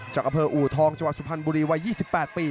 อำเภออูทองจังหวัดสุพรรณบุรีวัย๒๘ปี